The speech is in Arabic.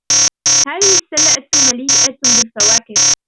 هذه السلة مليئة بالفواكه